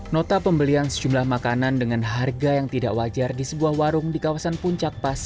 nota pembelian sejumlah makanan dengan harga yang tidak wajar di sebuah warung di kawasan puncak pas